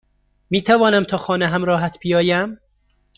میتوانم تا خانه همراهت بیایم؟